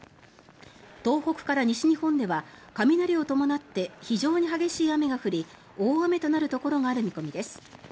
東北から西日本では雷を伴って非常に激しい雨が降り大雨となるところがある見込みです。